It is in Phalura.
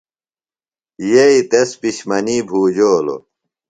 یئی تس پِشمنی بُھوجولوۡ۔